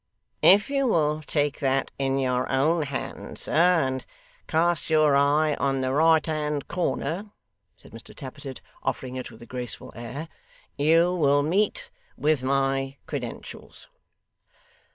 If you will take that in your own hand, sir, and cast your eye on the right hand corner,' said Mr Tappertit, offering it with a graceful air, 'you will meet with my credentials.